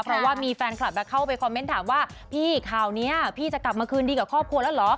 เพราะว่ามีแฟนคลับเข้าไปคอมเมนต์ถามว่าพี่ข่าวนี้พี่จะกลับมาคืนดีกับครอบครัวแล้วเหรอ